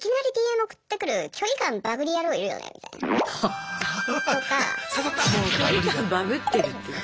もう距離感バグってるっていう。